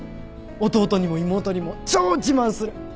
弟にも妹にも超自慢する。